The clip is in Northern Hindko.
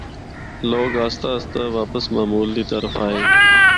لوگ آستہ آستہ واپس معمول دی طرف آئے۔